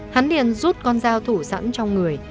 hắn liền rút con dao thủ sẵn trong người